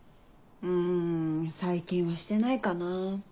うん最近はしてないかなぁ。